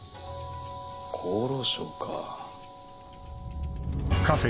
厚労省か。